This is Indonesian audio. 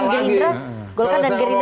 ya itu kan golkar dan gerindra